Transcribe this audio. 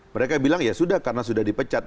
mereka bilang ya sudah karena sudah dipecat